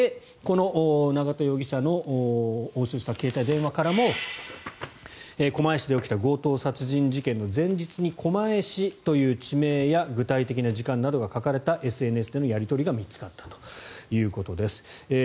永田容疑者の押収した携帯電話からも狛江市で起きた強盗殺人事件の前日に狛江市という地名や具体的な時間などが書かれたＳＮＳでのやり取りが見つかったということです。